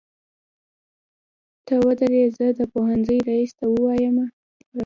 ته ودرې زه د پوهنځۍ ريس ته وويمه.